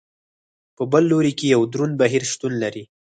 په بل لوري کې یو دروند بهیر شتون لري.